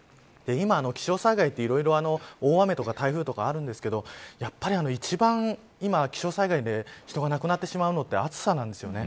今、気象災害はいろいろ大雨とか台風とかあるんですがやっぱり一番、今気象災害で人が亡くなってしまうのって暑さなんです。